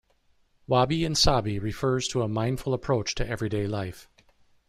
Wabi and sabi refers to a mindful approach to everyday life.